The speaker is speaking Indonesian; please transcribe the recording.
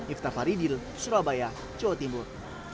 iftah faridil surabaya jawa timur